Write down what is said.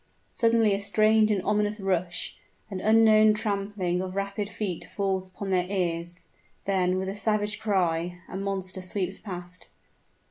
Suddenly a strange and ominous rush an unknown trampling of rapid feet falls upon their ears; then, with a savage cry, a monster sweeps past.